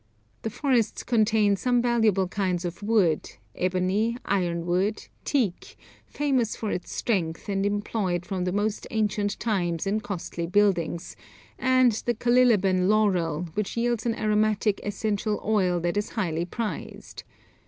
The forests contain some valuable kinds of wood, ebony, iron wood, teak, famous for its strength and employed from the most ancient times in costly buildings, and the Calilaban laurel, which yields an aromatic essential oil that is highly prized.